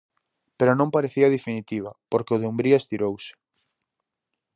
Pero non parecía definitiva, porque o Dumbría estirouse.